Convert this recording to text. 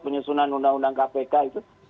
penyusunan undang undang kpk itu